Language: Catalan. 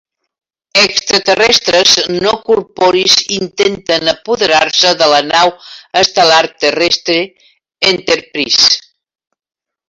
Extraterrestres no corporis intenten apoderar-se de la nau estel·lar terrestre "Enterprise".